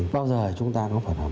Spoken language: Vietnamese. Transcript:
bao giờ chúng ta có phần hợp